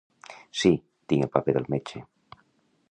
Si, tinc el paper del metge.